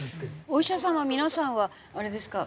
お医者様皆さんはあれですか？